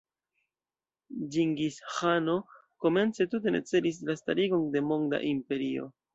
Ĝingis-ĥano komence tute ne celis la starigon de monda imperio.